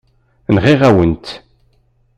Nɣiɣ-awen-tt.